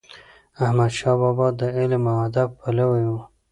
احمد شاه بابا د علم او ادب پلوی و.